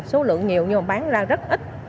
số lượng nhiều nhưng mà bán ra rất ít